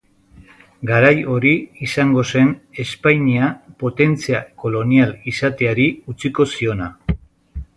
Garai hori izango zen Espainia potentzia kolonial izateari utziko ziona.